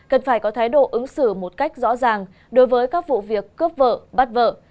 cần phải có thái độ ứng xử một cách rõ ràng đối với các vụ việc cướp vợ bắt vợ